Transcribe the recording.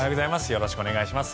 よろしくお願いします。